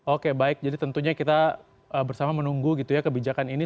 oke baik jadi tentunya kita bersama menunggu gitu ya kebijakan ini